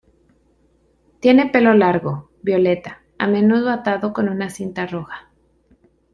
Tiene pelo largo, violeta, a menudo atado con una cinta roja.